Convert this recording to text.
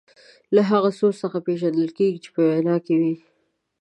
له هغه سوز څخه پېژندل کیږي چې په وینا کې وي.